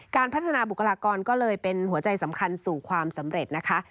การพัฒนาบุคลากรก็เลยเป็นหัวใจสำคัญสู่ความสำเร็จนะคะ